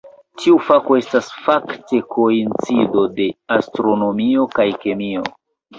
Tiu fako estas fakte koincido de astronomio kaj kemio.